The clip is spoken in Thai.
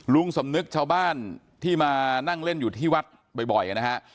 ลุงสำนึกชาวบ้านที่มานั่งเล่นอยู่ที่วัดบ่อยนะฮะ